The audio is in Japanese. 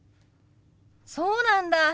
そうなんだ。